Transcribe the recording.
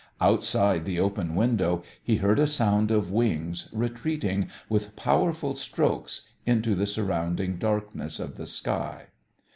Outside the open window he heard a sound of wings retreating with powerful strokes into the surrounding darkness of the sky.